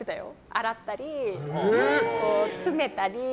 洗ったり、詰めたり。